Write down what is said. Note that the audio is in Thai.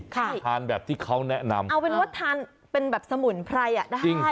ทานแบบที่เขาแนะนำเอาเป็นว่าทานเป็นแบบสมุนไพรได้